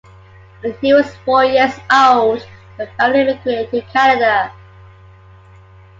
When he was four years old, the family emigrated to Canada.